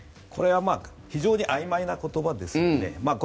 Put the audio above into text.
これは非常にあいまいな言葉ですよね。